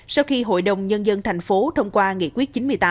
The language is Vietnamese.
sau khi hội đồng nhân dân thành phố thông qua nghị quyết chín mươi tám